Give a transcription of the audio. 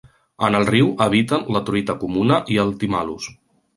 En el riu habiten la truita comuna i el thymallus.